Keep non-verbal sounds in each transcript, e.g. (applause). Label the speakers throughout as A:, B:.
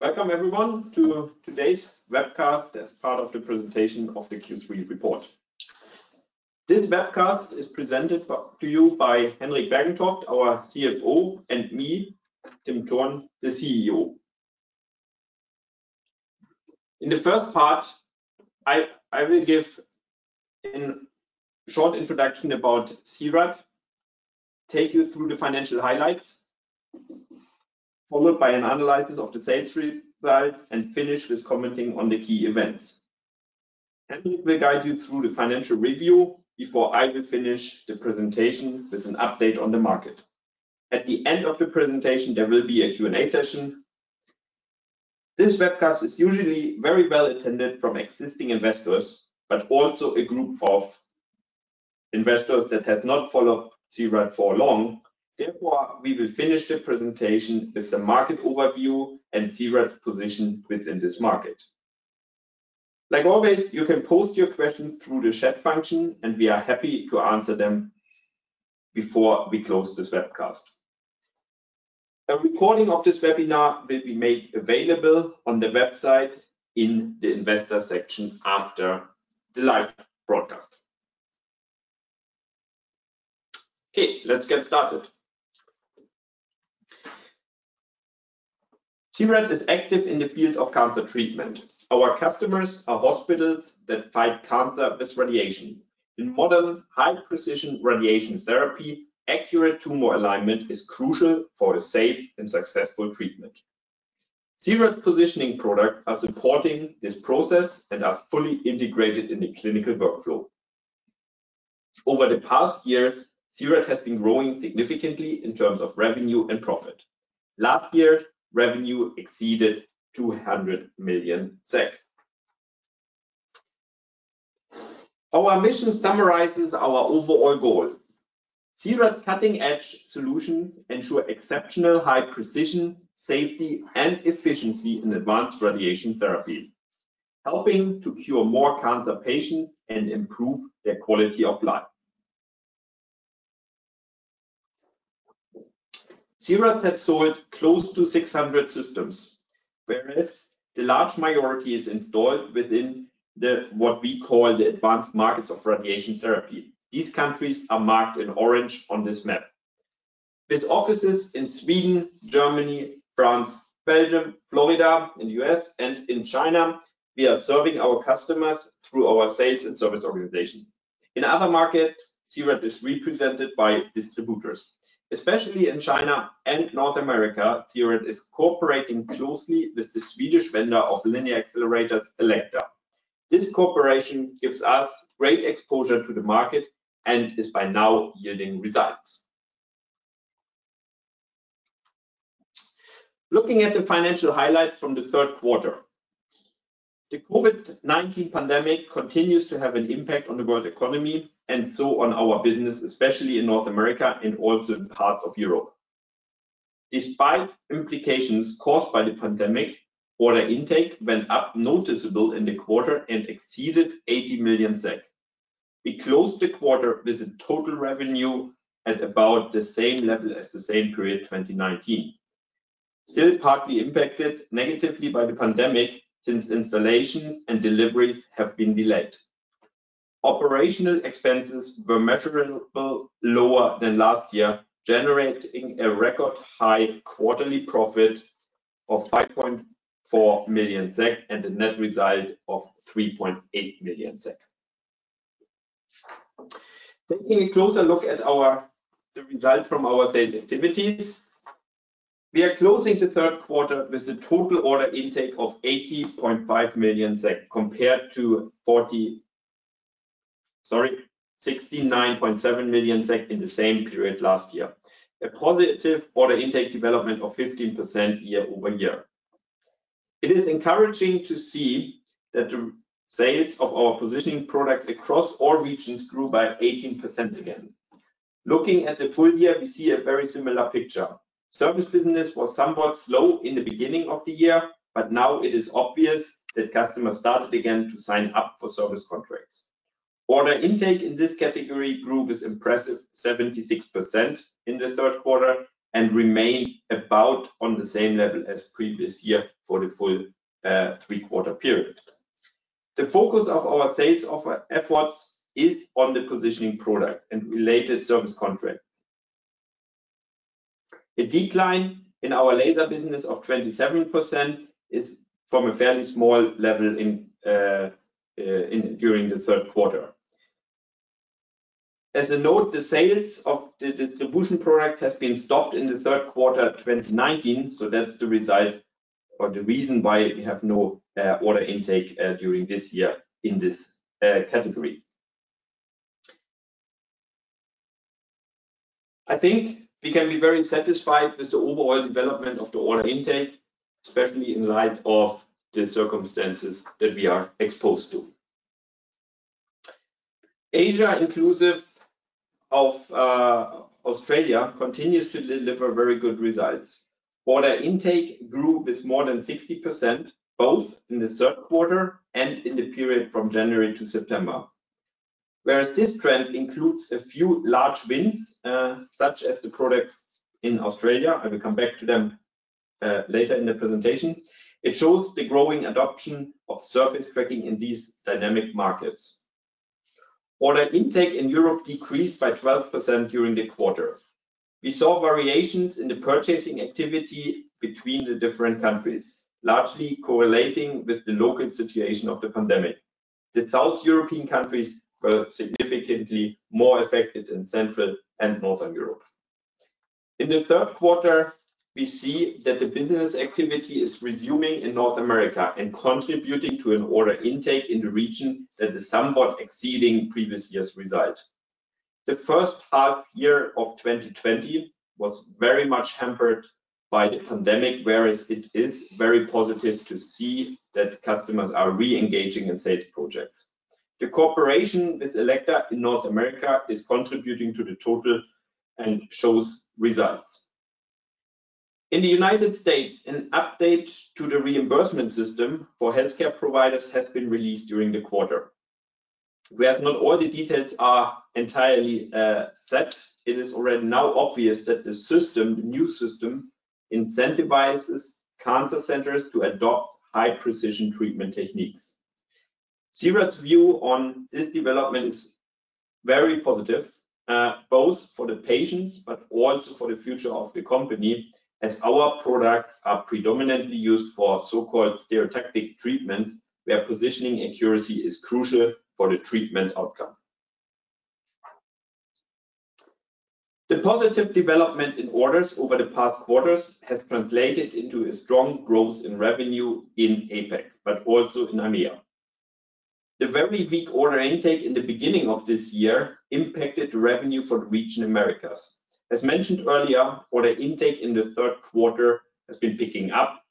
A: Welcome, everyone, to today's webcast as part of the presentation of the Q3 report. This webcast is presented to you by Henrik Bergentoft, our CFO, and me, Tim Thurn, the CEO. In the first part, I will give a short introduction about C-RAD, take you through the financial highlights, followed by an analysis of the sales results and finish with commenting on the key events. Henrik will guide you through the financial review before I will finish the presentation with an update on the market. At the end of the presentation, there will be a Q&A session. This webcast is usually very well attended from existing investors, but also a group of investors that have not followed C-RAD for long. Therefore, we will finish the presentation with the market overview and C-RAD's position within this market. Like always, you can post your question through the chat function, and we are happy to answer them before we close this webcast. A recording of this webinar will be made available on the website in the investor section after the live broadcast. Okay, let's get started. C-RAD is active in the field of cancer treatment. Our customers are hospitals that fight cancer with radiation. In modern, high-precision radiation therapy, accurate tumor alignment is crucial for a safe and successful treatment. C-RAD's positioning products are supporting this process and are fully integrated in the clinical workflow. Over the past years, C-RAD has been growing significantly in terms of revenue and profit. Last year, revenue exceeded 200 million SEK. Our mission summarizes our overall goal. C-RAD's cutting-edge solutions ensure exceptional high precision, safety, and efficiency in advanced radiation therapy, helping to cure more cancer patients and improve their quality of life. C-RAD has sold close to 600 systems, whereas the large majority is installed within what we call the advanced markets of radiation therapy. These countries are marked in orange on this map. With offices in Sweden, Germany, France, Belgium, Florida, in the U.S., and in China, we are serving our customers through our sales and service organization. In other markets, C-RAD is represented by distributors. Especially in China and North America, C-RAD is cooperating closely with the Swedish vendor of linear accelerators, Elekta. This cooperation gives us great exposure to the market and is by now yielding results. Looking at the financial highlights from the third quarter. The COVID-19 pandemic continues to have an impact on the world economy and so on our business, especially in North America and also in parts of Europe. Despite implications caused by the pandemic, order intake went up noticeable in the quarter and exceeded 80 million SEK. We closed the quarter with a total revenue at about the same level as the same period 2019. Still partly impacted negatively by the pandemic since installations and deliveries have been delayed. Operational expenses were measurable lower than last year, generating a record high quarterly profit of 5.4 million SEK and a net result of 3.8 million SEK. Taking a closer look at the result from our sales activities. We are closing the third quarter with a total order intake of 80.5 million SEK compared to 69.7 million SEK in the same period last year. A positive order intake development of 15% year-over-year. It is encouraging to see that the sales of our positioning products across all regions grew by 18% again. Looking at the full year, we see a very similar picture. Service business was somewhat slow in the beginning of the year, but now it is obvious that customers started again to sign up for service contracts. Order intake in this category grew this impressive 76% in the third quarter and remained about on the same level as previous year for the full three-quarter period. The focus of our sales efforts is on the positioning product and related service contracts. A decline in our laser business of 27% is from a fairly small level during the third quarter. As a note, the sales of the distribution product has been stopped in the third quarter 2019, so that's the result or the reason why we have no order intake during this year in this category. I think we can be very satisfied with the overall development of the order intake, especially in light of the circumstances that we are exposed to. Asia, inclusive of Australia, continues to deliver very good results. Order intake grew with more than 60%, both in the third quarter and in the period from January to September. Whereas this trend includes a few large wins, such as the products in Australia, I will come back to them later in the presentation. It shows the growing adoption of surface tracking in these dynamic markets. Order intake in Europe decreased by 12% during the quarter. We saw variations in the purchasing activity between the different countries, largely correlating with the local situation of the pandemic. The South European countries were significantly more affected than Central and Northern Europe. In the third quarter, we see that the business activity is resuming in North America and contributing to an order intake in the region that is somewhat exceeding previous years' results. The first half year of 2020 was very much hampered by the pandemic, whereas it is very positive to see that customers are re-engaging in sales projects. The cooperation with Elekta in North America is contributing to the total and shows results. In the United States, an update to the reimbursement system for healthcare providers has been released during the quarter. Whereas not all the details are entirely set, it is already now obvious that the new system incentivizes cancer centers to adopt high-precision treatment techniques. C-RAD's view on this development is very positive, both for the patients but also for the future of the company, as our products are predominantly used for so-called stereotactic treatment, where positioning accuracy is crucial for the treatment outcome. The positive development in orders over the past quarters has translated into a strong growth in revenue in APAC, but also in EMEA. The very weak order intake in the beginning of this year impacted revenue for the region Americas. As mentioned earlier, order intake in the third quarter has been picking up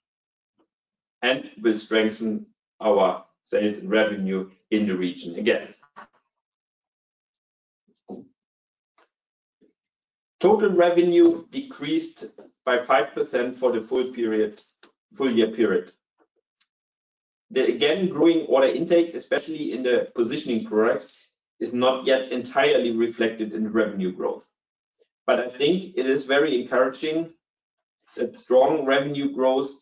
A: and will strengthen our sales and revenue in the region again. Total revenue decreased by 5% for the full year period. Growing order intake, especially in the positioning products, is not yet entirely reflected in the revenue growth. I think it is very encouraging to see the strong revenue growth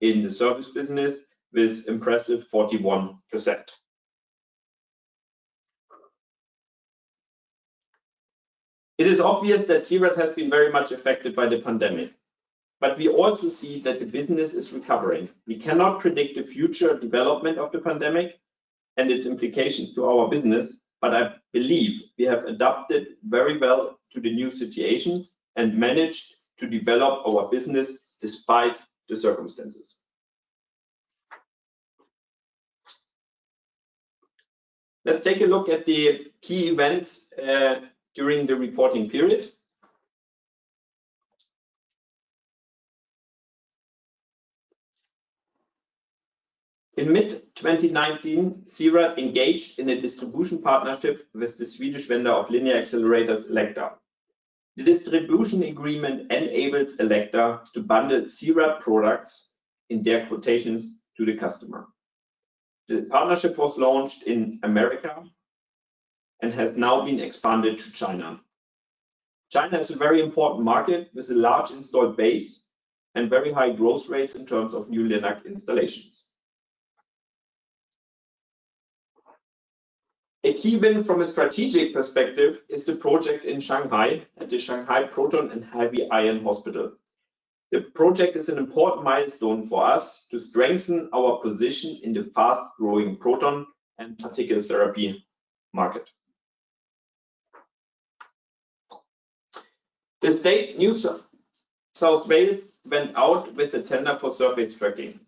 A: in the service business with impressive 41%. It is obvious that C-RAD has been very much affected by the pandemic, but we also see that the business is recovering. We cannot predict the future development of the pandemic and its implications to our business, but I believe we have adapted very well to the new situation and managed to develop our business despite the circumstances. Let's take a look at the key events during the reporting period. In mid-2019, C-RAD engaged in a distribution partnership with the Swedish vendor of linear accelerators, Elekta. The distribution agreement enables Elekta to bundle C-RAD products in their quotations to the customer. The partnership was launched in the U.S. and has now been expanded to China. China is a very important market with a large installed base and very high growth rates in terms of new linac installations. A key win from a strategic perspective is the project in Shanghai at the Shanghai Proton and Heavy Ion Hospital. The project is an important milestone for us to strengthen our position in the fast-growing proton and particle therapy market. The state New South Wales went out with a tender for surface tracking.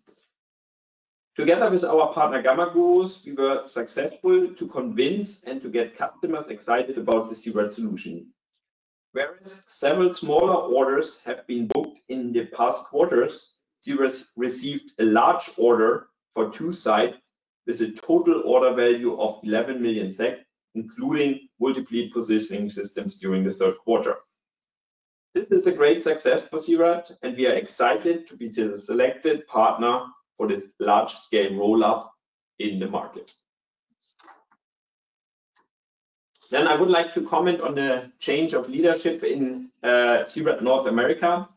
A: Together with our partner Gamma Gurus, we were successful to convince and to get customers excited about the C-RAD solution. Whereas several smaller orders have been booked in the past quarters, C-RAD received a large order for two sites with a total order value of 11 million SEK, including multiple positioning systems during the third quarter. This is a great success for C-RAD, we are excited to be the selected partner for this large-scale roll-out in the market. I would like to comment on the change of leadership in C-RAD North America.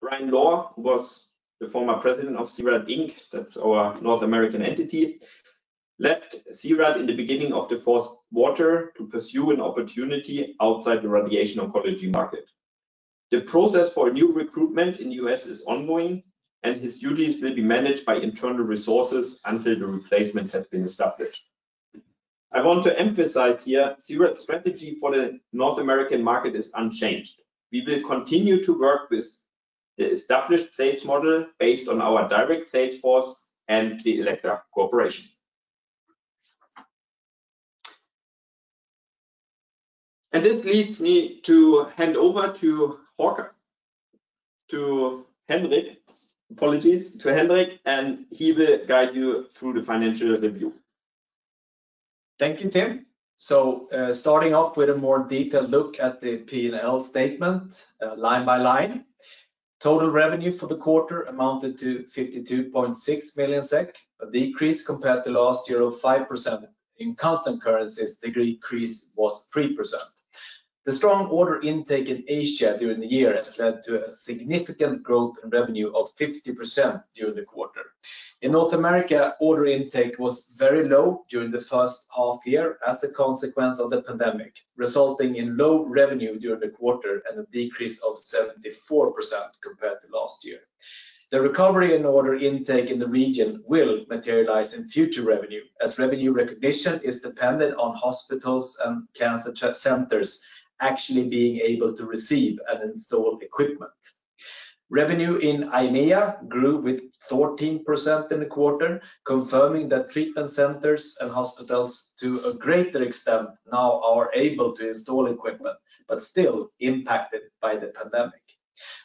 A: Brian Loar, who was the former president of C-RAD Inc., that's our North American entity, left C-RAD in the beginning of the fourth quarter to pursue an opportunity outside the radiation oncology market. The process for a new recruitment in U.S. is ongoing, and his duties will be managed by internal resources until the replacement has been established. I want to emphasize here, C-RAD's strategy for the North American market is unchanged. We will continue to work with the established sales model based on our direct sales force and the Elekta cooperation. This leads me to hand over to Henrik, and he will guide you through the financial review.
B: Thank you, Tim. Starting off with a more detailed look at the P&L statement line by line. Total revenue for the quarter amounted to 52.6 million SEK, a decrease compared to last year of 5%. In constant currencies, the decrease was 3%. The strong order intake in Asia during the year has led to a significant growth in revenue of 50% during the quarter. In North America, order intake was very low during the first half year as a consequence of the pandemic, resulting in low revenue during the quarter and a decrease of 74% compared to last year. The recovery in order intake in the region will materialize in future revenue as revenue recognition is dependent on hospitals and cancer centers actually being able to receive and install equipment. Revenue in EMEA grew with 14% in the quarter, confirming that treatment centers and hospitals to a greater extent now are able to install equipment, but still impacted by the pandemic.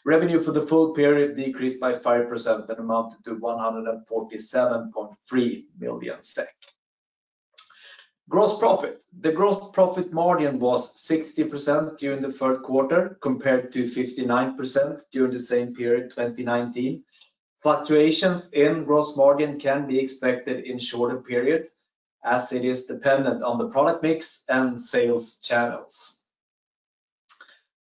B: Revenue for the full period decreased by 5% and amounted to 147.3 million SEK. Gross profit. The gross profit margin was 60% during the third quarter, compared to 59% during the same period in 2019. Fluctuations in gross margin can be expected in shorter periods as it is dependent on the product mix and sales channels.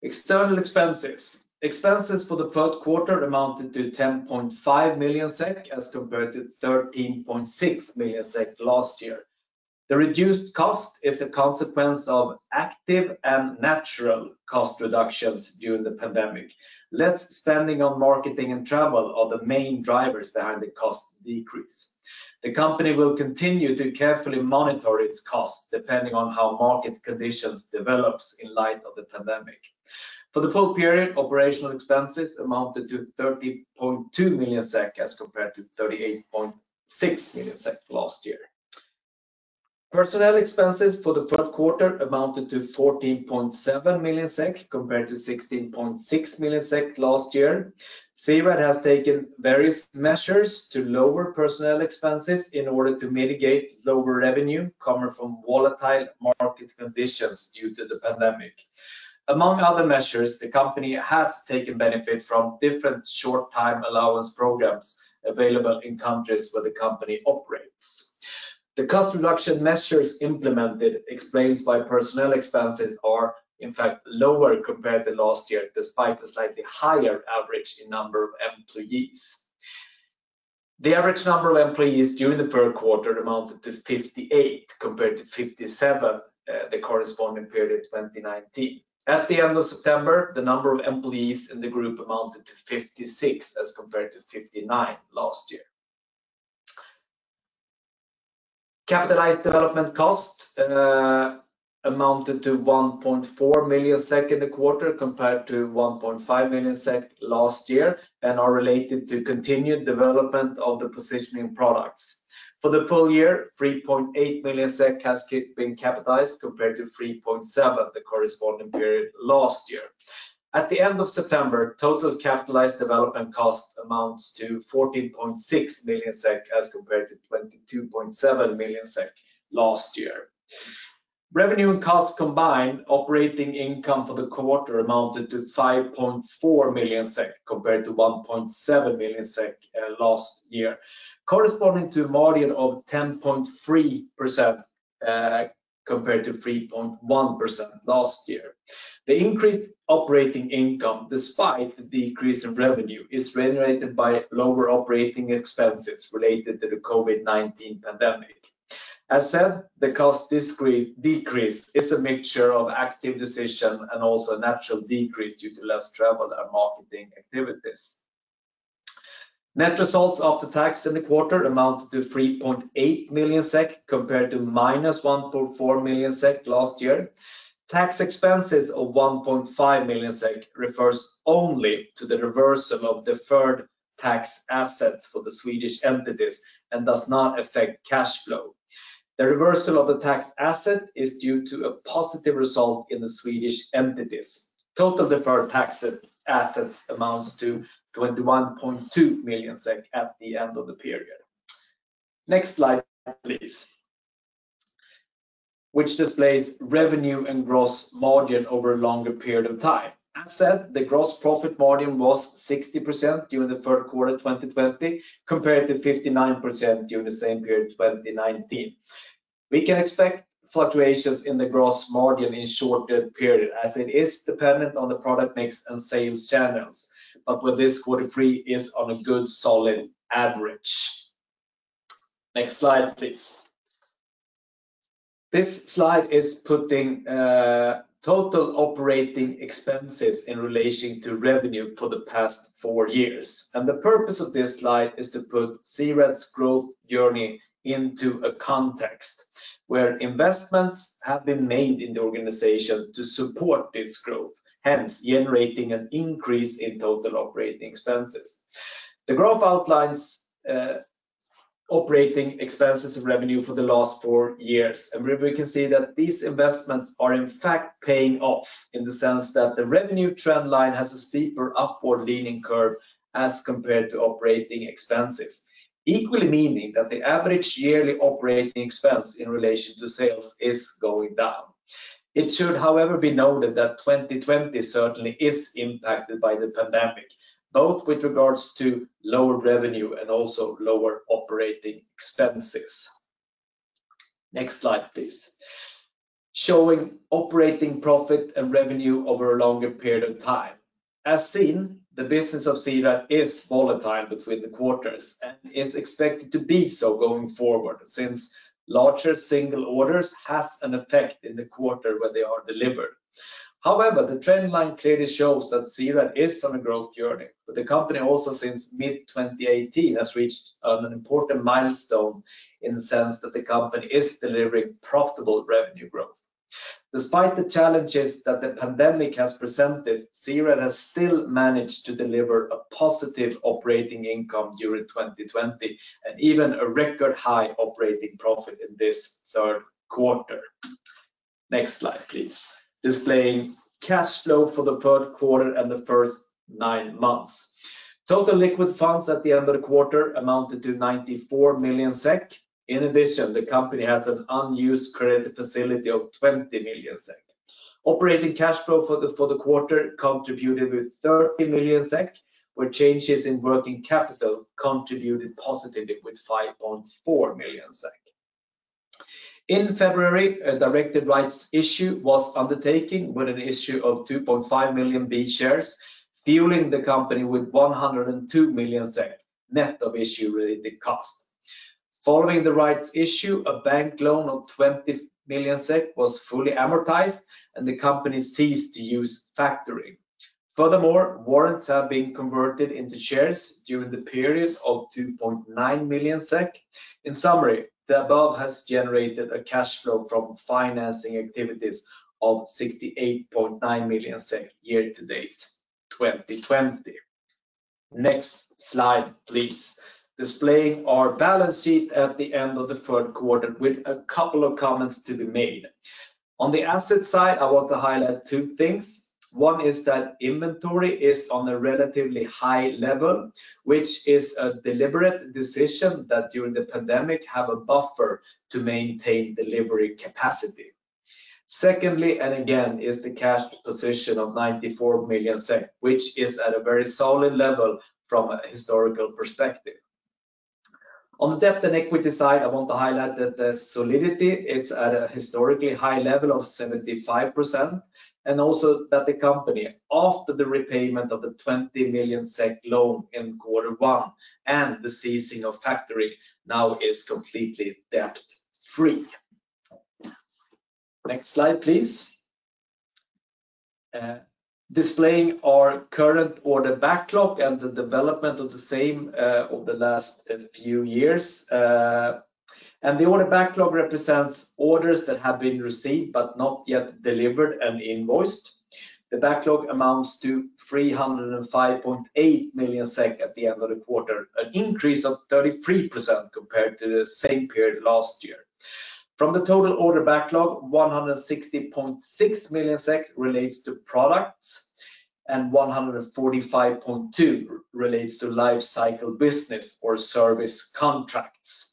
B: External expenses. Expenses for the third quarter amounted to 10.5 million SEK as compared to 13.6 million SEK last year. The reduced cost is a consequence of active and natural cost reductions during the pandemic. Less spending on marketing and travel are the main drivers behind the cost decrease. The company will continue to carefully monitor its cost depending on how market conditions develops in light of the pandemic. For the full period, operational expenses amounted to 30.2 million SEK as compared to 38.6 million SEK last year. Personnel expenses for the third quarter amounted to 14.7 million SEK compared to 16.6 million SEK last year. C-RAD has taken various measures to lower personnel expenses in order to mitigate lower revenue coming from volatile market conditions due to the pandemic. Among other measures, the company has taken benefit from different short-time allowance programs available in countries where the company operates. The cost reduction measures implemented explains why personnel expenses are in fact lower compared to last year, despite a slightly higher average in number of employees. The average number of employees during the third quarter amounted to 58 compared to 57 the corresponding period in 2019. At the end of September, the number of employees in the group amounted to 56 as compared to 59 last year. Capitalized development cost amounted to 1.4 million SEK in the quarter compared to 1.5 million SEK last year and are related to continued development of the positioning products. For the full year, 3.8 million SEK has been capitalized compared to 3.7 million the corresponding period last year. At the end of September, total capitalized development cost amounts to 14.6 million SEK as compared to 22.7 million SEK last year. Revenue and cost combined operating income for the quarter amounted to 5.4 million SEK compared to 1.7 million SEK last year, corresponding to a margin of 10.3% compared to 3.1% last year. The increased operating income despite the decrease in revenue is generated by lower operating expenses related to the COVID-19 pandemic. As said, the cost decrease is a mixture of active decision and also a natural decrease due to less travel and marketing activities. Net results after tax in the quarter amounted to 3.8 million SEK compared to -1.4 million SEK last year. Tax expenses of 1.5 million SEK refers only to the reversal of deferred tax assets for the Swedish entities and does not affect cash flow. The reversal of the tax asset is due to a positive result in the Swedish entities. Total deferred tax assets amounts to 21.2 million SEK at the end of the period. Next slide, please. Which displays revenue and gross margin over a longer period of time. As said, the gross profit margin was 60% during the third quarter 2020, compared to 59% during the same period 2019. We can expect fluctuations in the gross margin in shorter period as it is dependent on the product mix and sales channels. With this, quarter three is on a good, solid average. Next slide, please. This slide is putting total operating expenses in relation to revenue for the past four years. The purpose of this slide is to put C-RAD's growth journey into a context where investments have been made in the organization to support its growth, hence generating an increase in total operating expenses. The graph outlines operating expenses of revenue for the last four years. We can see that these investments are in fact paying off in the sense that the revenue trend line has a steeper upward leaning curve as compared to operating expenses. Equally meaning that the average yearly operating expense in relation to sales is going down. It should, however, be noted that 2020 certainly is impacted by the pandemic, both with regards to lower revenue and also lower operating expenses. Next slide, please. Showing operating profit and revenue over a longer period of time. As seen, the business of C-RAD is volatile between the quarters and is expected to be so going forward, since larger single orders has an effect in the quarter when they are delivered. However, the trend line clearly shows that C-RAD is on a growth journey. The company also, since mid-2018, has reached an important milestone in the sense that the company is delivering profitable revenue growth. Despite the challenges that the pandemic has presented, C-RAD has still managed to deliver a positive operating income during 2020 and even a record high operating profit in this third quarter. Next slide, please. Displaying cash flow for the third quarter and the first nine months. Total liquid funds at the end of the quarter amounted to 94 million SEK. In addition, the company has an unused credit facility of 20 million SEK. Operating cash flow for the quarter contributed with 30 million SEK, where changes in working capital contributed positively with 5.4 million SEK. In February, a rights issue was undertaken with an issue of 2.5 million B shares, fueling the company with 102 million SEK, net of issue-related cost. Following the rights issue, a bank loan of 20 million SEK was fully amortized and the company ceased to use factoring. Furthermore, warrants have been converted into shares during the period of 2.9 million SEK. In summary, the above has generated a cash flow from financing activities of 68.9 million SEK year to date 2020. Next slide, please. Displaying our balance sheet at the end of the third quarter with a couple of comments to be made. On the asset side, I want to highlight two things. One is that inventory is on a relatively high level, which is a deliberate decision that during the pandemic have a buffer to maintain delivery capacity. Secondly, and again, is the cash position of 94 million SEK, which is at a very solid level from a historical perspective. On the debt and equity side, I want to highlight that the solidity is at a historically high level of 75% and also that the company, after the repayment of the 20 million SEK loan in quarter one and the ceasing of factoring, now is completely debt-free. Next slide, please. Displaying our current order backlog and the development of the same over the last few years. The order backlog represents orders that have been received but not yet delivered and invoiced. The backlog amounts to 305.8 million SEK at the end of the quarter, an increase of 33% compared to the same period last year. From the total order backlog, 160.6 million relates to products and 145.2 relates to life cycle business or service contracts.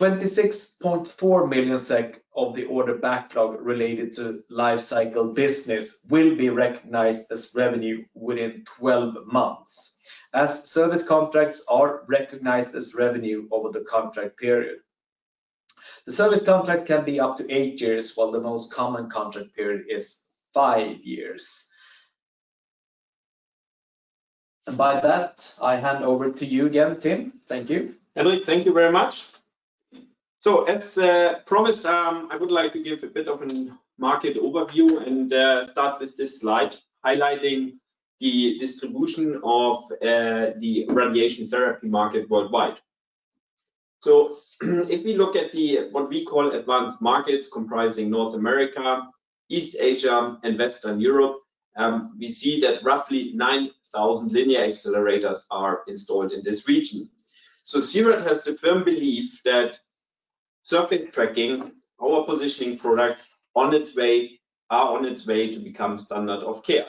B: 26.4 million SEK of the order backlog related to life cycle business will be recognized as revenue within 12 months, as service contracts are recognized as revenue over the contract period. The service contract can be up to eight years, while the most common contract period is five years. By that, I hand over to you again, Tim. Thank you.
A: Henrik, thank you very much. As promised, I would like to give a bit of a market overview and start with this slide highlighting the distribution of the radiation therapy market worldwide. If we look at the what we call advanced markets comprising North America, East Asia, and Western Europe, we see that roughly 9,000 linear accelerators are installed in this region. C-RAD has the firm belief that surface tracking, our positioning products, are on its way to become standard of care.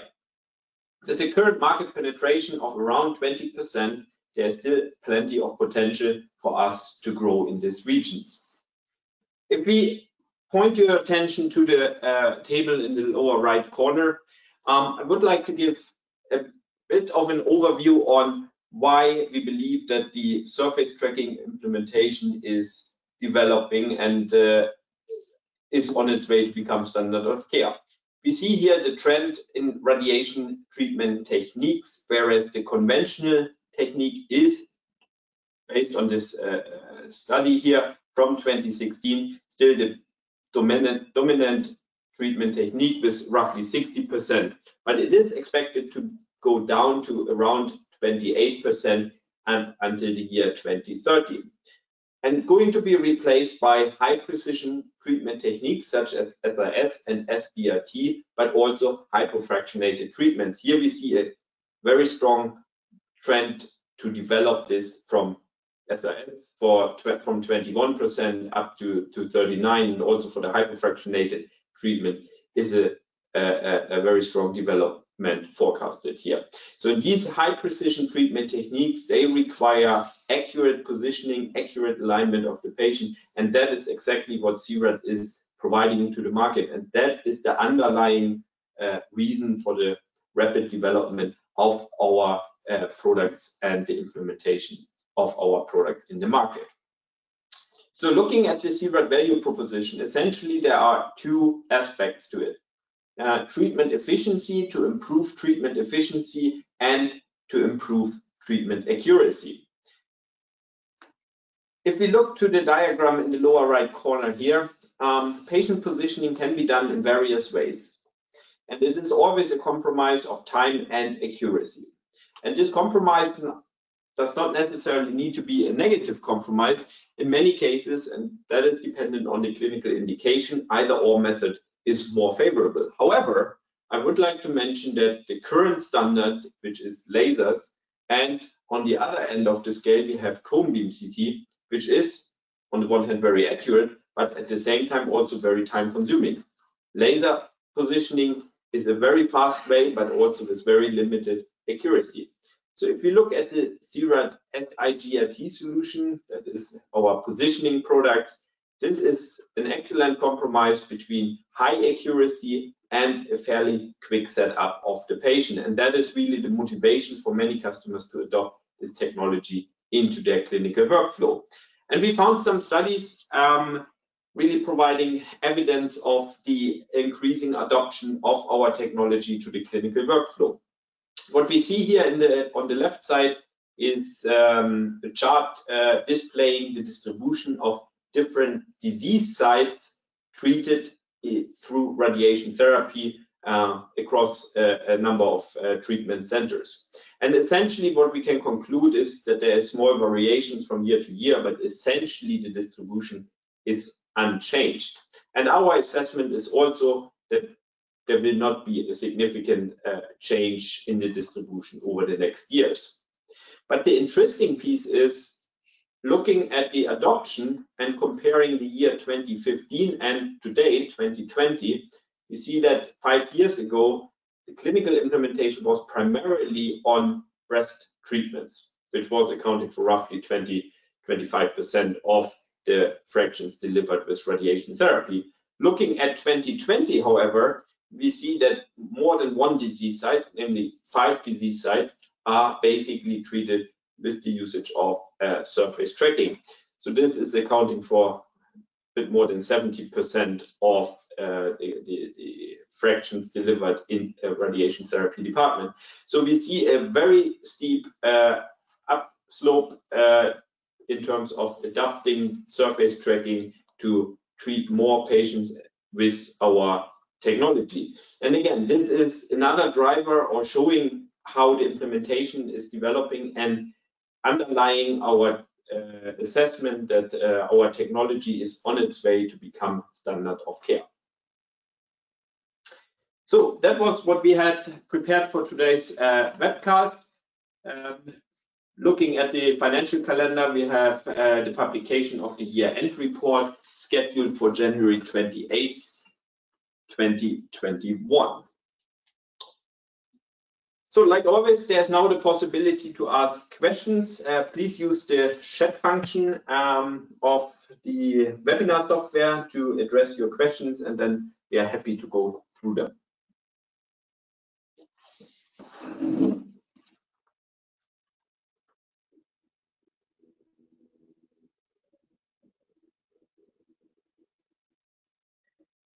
A: With the current market penetration of around 20%, there's still plenty of potential for us to grow in these regions. If we point your attention to the table in the lower right corner, I would like to give a bit of an overview on why we believe that the surface tracking implementation is developing and is on its way to become standard of care. We see here the trend in radiation treatment techniques, whereas the conventional technique is based on this study here from 2016, still the dominant treatment technique with roughly 60%. It is expected to go down to around 28% until the year 2030 and going to be replaced by high-precision treatment techniques such as SRS and SBRT, but also hypofractionated treatments. Here we see a very strong trend to develop this from SRS from 21% up to 39%, and also for the hypofractionated treatment is a very strong development forecasted here. These high-precision treatment techniques, they require accurate positioning, accurate alignment of the patient, and that is exactly what C-RAD is providing to the market. That is the underlying reason for the rapid development of our products and the implementation of our products in the market. Looking at the C-RAD value proposition, essentially, there are two aspects to it: to improve treatment efficiency and to improve treatment accuracy. If we look to the diagram in the lower right corner here, patient positioning can be done in various ways, and it is always a compromise of time and accuracy. This compromise does not necessarily need to be a negative compromise. In many cases, and that is dependent on the clinical indication, either/or method is more favorable. However, I would like to mention that the current standard, which is lasers, and on the other end of the scale, we have cone beam CT, which is on the one hand very accurate, but at the same time, also very time-consuming. Laser positioning is a very fast way, but also is very limited accuracy. If you look at the C-RAD SGRT solution, that is our positioning product, this is an excellent compromise between high accuracy and a fairly quick set up of the patient. That is really the motivation for many customers to adopt this technology into their clinical workflow. We found some studies really providing evidence of the increasing adoption of our technology to the clinical workflow. What we see here on the left side is the chart displaying the distribution of different disease sites treated through radiation therapy across a number of treatment centers. Essentially what we can conclude is that there is more variations from year to year, but essentially the distribution is unchanged. Our assessment is also that there will not be a significant change in the distribution over the next years. The interesting piece is looking at the adoption and comparing the year 2015 and today, 2020, we see that five years ago, the clinical implementation was primarily on breast treatments, which was accounting for roughly 20%-25% of the fractions delivered with radiation therapy. Looking at 2020, however, we see that more than one disease site, namely five disease sites, are basically treated with the usage of surface tracking. This is accounting for a bit more than 70% of the fractions delivered in a radiation therapy department. We see a very steep up slope in terms of adopting surface tracking to treat more patients with our technology. Again, this is another driver on showing how the implementation is developing and underlying our assessment that our technology is on its way to become standard of care. That was what we had prepared for today's webcast. Looking at the financial calendar, we have the publication of the year-end report scheduled for January 28th, 2021. Like always, there's now the possibility to ask questions. Please use the chat function of the webinar software to address your questions, and then we are happy to go through them.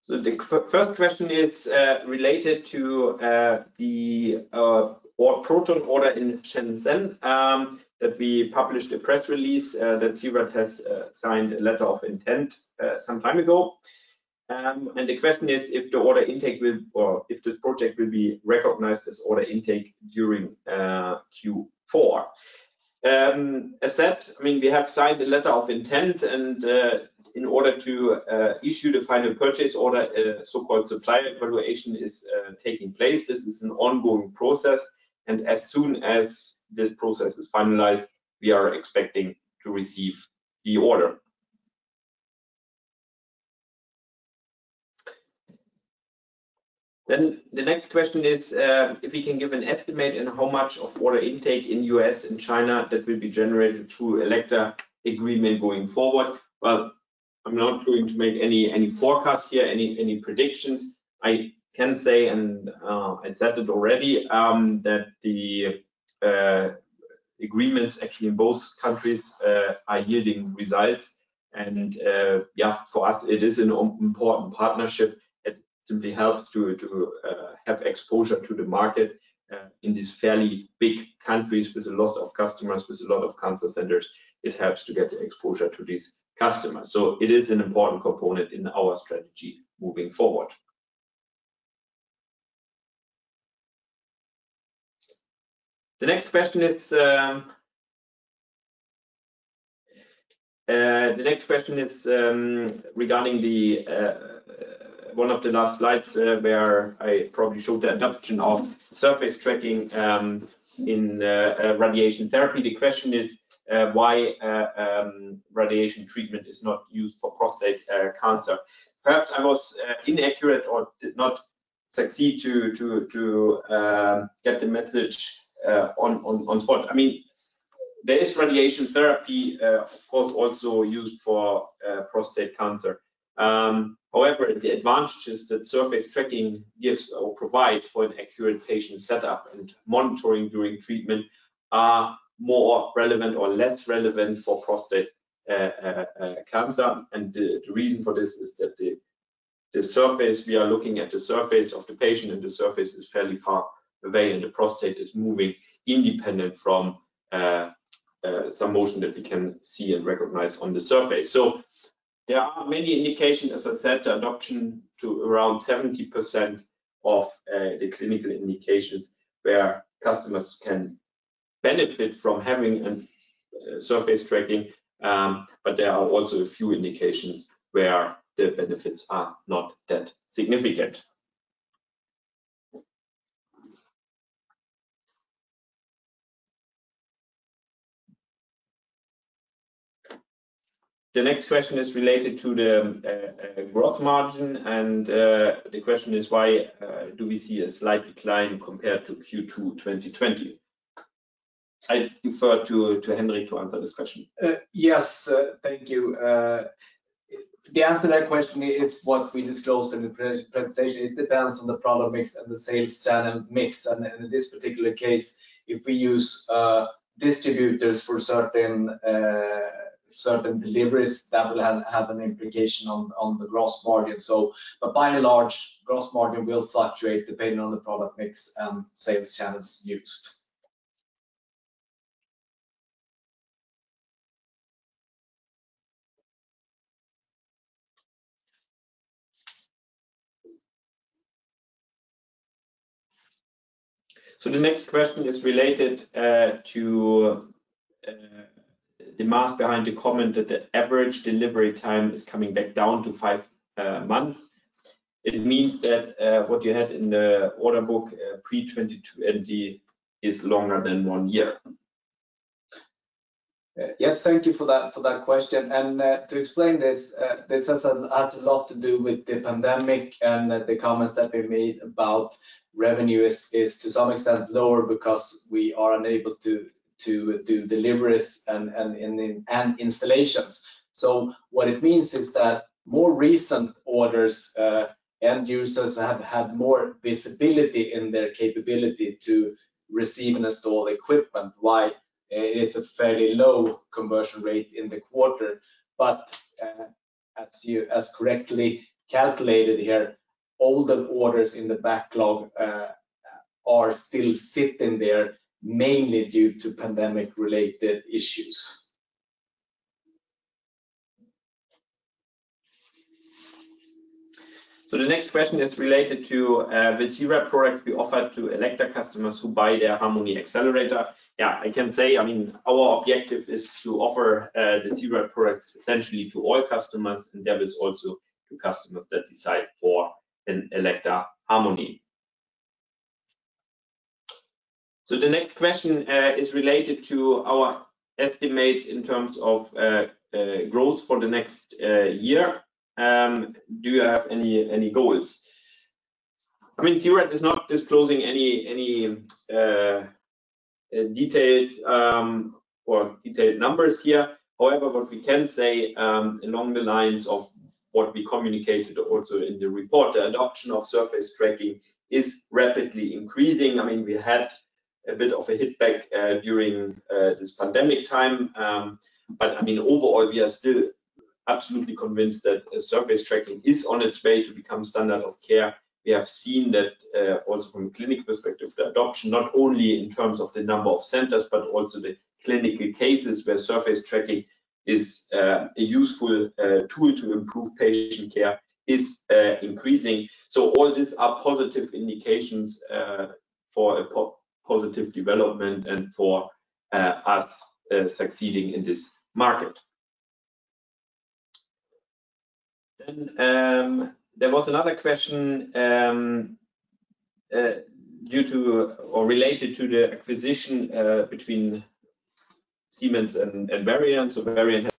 A: The first question is related to the proton order in Shenzhen, that we published a press release that C-RAD has signed a letter of intent some time ago. The question is if the order intake will or if this project will be recognized as order intake during Q4. As said, we have signed a letter of intent and in order to issue the final purchase order, a so-called supplier evaluation is taking place. This is an ongoing process and as soon as this process is finalized, we are expecting to receive the order. The next question is if we can give an estimate in how much of order intake in U.S. and China that will be generated through Elekta agreement going forward. I'm not going to make any forecasts here, any predictions. I can't say exact data already that the agreement (inaudible) are yielding results. Yeah, for us it is an important partnership. It simply helps to have exposure to the market in these fairly big countries with a lot of customers, with a lot of cancer centers. It helps to get exposure to these customers. It is an important component in our strategy moving forward. The next question is regarding one of the last slides where I probably showed the adoption of surface tracking in radiation therapy. The question is, Why radiation treatment is not used for prostate cancer? Perhaps I was inaccurate or did not succeed to get the message on spot. There is radiation therapy, of course, also used for prostate cancer. However the advantages that surface tracking gives or provide for an accurate patient setup and monitoring during treatment are more relevant or less relevant for prostate cancer. The reason for this is that we are looking at the surface of the patient, and the surface is fairly far away, and the prostate is moving independent from some motion that we can see and recognize on the surface. There are many indications, as I said, adoption to around 70% of the clinical indications where customers can benefit from having surface tracking. There are also a few indications where the benefits are not that significant. The next question is related to the gross margin. The question is why do we see a slight decline compared to Q2 2020? I defer to Henrik to answer this question.
B: Yes. Thank you. The answer to that question is what we disclosed in the presentation. It depends on the product mix and the sales channel mix. In this particular case, if we use distributors for certain deliveries, that will have an implication on the gross margin. By and large, gross margin will fluctuate depending on the product mix and sales channels used.
A: The next question is related to the math behind the comment that the average delivery time is coming back down to five months. It means that what you had in the order book pre 2020 is longer than one year.
B: Yes. Thank you for that question. To explain this has a lot to do with the pandemic and the comments that we made about revenue is to some extent lower because we are unable to do deliveries and installations. What it means is that more recent orders, end users have had more visibility in their capability to receive and install equipment. Why? It is a fairly low conversion rate in the quarter, but as correctly calculated here, older orders in the backlog are still sitting there mainly due to pandemic related issues.
A: The next question is related to the C-RAD product we offer to Elekta customers who buy their Harmony accelerator. Yeah, I can say, our objective is to offer the C-RAD product essentially to all customers, and that is also to customers that decide for an Elekta Harmony. The next question is related to our estimate in terms of growth for the next year. Do you have any goals? (inaudible) is not disclosing any detailed numbers here. However, what we can say along the lines of what we communicated also in the report, the adoption of surface tracking is rapidly increasing. We had a bit of a hit back during this pandemic time. Overall, we are still absolutely convinced that surface tracking is on its way to become standard of care. We have seen that also from a clinical perspective, the adoption, not only in terms of the number of centers, but also the clinical cases where surface tracking is a useful tool to improve patient care is increasing. All these are positive indications for a positive development and for us succeeding in this market. There was another question related to the acquisition between Siemens and Varian.